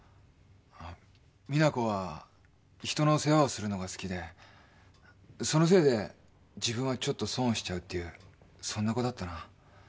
実那子は人の世話をするのが好きでそのせいで自分はちょっと損をしちゃうっていうそんな子だったな。